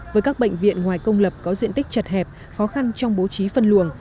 với các bệnh viện ngoài công lập có diện tích chật hẹp khó khăn trong bố trí phân luồng